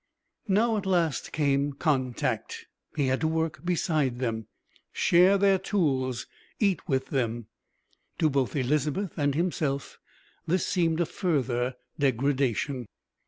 Now at last came contact; he had to work beside them, share their tools, eat with them. To both Elizabeth and himself this seemed a further degradation.